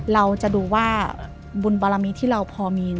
เราจะดูว่าบุญบารมีที่เราพอมี